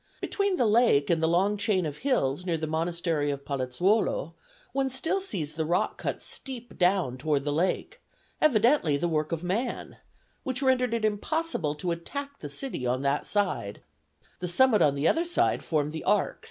Between the lake and the long chain of hills near the monastery of Palazzuolo one still sees the rock cut steep down toward the lake, evidently the work of man, which rendered it impossible to attack the city on that side; the summit on the other side formed the arx.